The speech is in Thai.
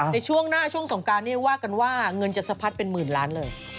ในช่วงหน้าช่วงสงการเนี่ยว่ากันว่าเงินจะสะพัดเป็นหมื่นล้านเลย